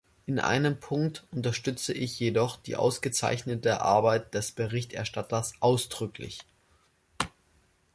In einem Punkt unterstütze ich jedoch die ausgezeichnete Arbeit des Berichterstatters ausdrücklich.